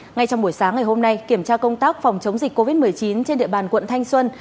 ngay trong buổi sáng ngày hôm nay kiểm tra công tác phòng chống dịch covid một mươi chín trên địa bàn quận thanh xuân